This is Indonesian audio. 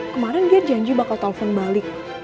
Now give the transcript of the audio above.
kemaren dia janji bakal telfon balik